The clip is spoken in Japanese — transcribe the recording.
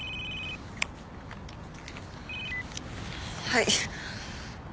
はい。